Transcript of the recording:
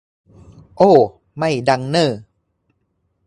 โอ้ ไม่ดังเน้อ